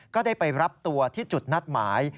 ก็ได้ไปรับตัวที่จุดนัดหมาย